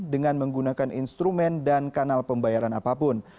dengan menggunakan instrumen dan kanal pembayaran apapun